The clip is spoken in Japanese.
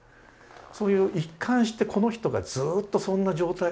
そういう一貫してこの人がずっとそんな状態。